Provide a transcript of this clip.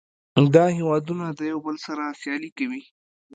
دا هیوادونه د یو بل سره سیالي کوي